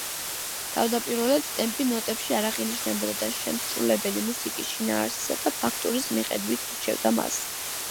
თავდაპირველად ტემპი ნოტებში არ აღინიშნებოდა და შემსრულებელი მუსიკის შინაარსისა და ფაქტურის მიხედვით ირჩევდა მას.